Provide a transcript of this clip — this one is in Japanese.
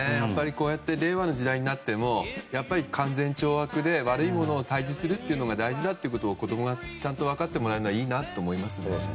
令和の時代になっても勧善懲悪で悪い者を退治するというのが大事だということを子供がちゃんと分かってもらえるのはいいなと思いますね。